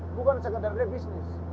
bukan sekadarnya bisnis